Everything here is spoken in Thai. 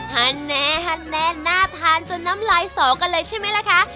หันแน่หันแน่น่าทานจนน้ำลายสอกันเลยใช่ไหมล่ะคะ